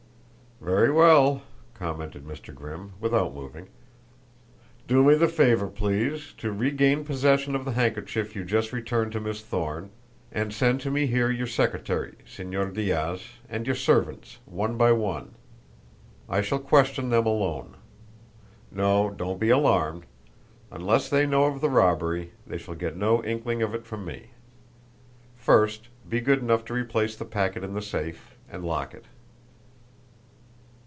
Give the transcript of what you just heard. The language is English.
"Very well," commented Mr. Grimm, without moving. "Do me the favor, please, to regain possession of the handkerchief you just returned to Miss Thorne, and to send to me here your secretary, Señor Diaz, and your servants, one by one. I shall question them alone. No, don't be alarmed. Unless they know of the robbery they shall get no inkling of it from me. First, be good enough to replace the packet in the safe, and lock it."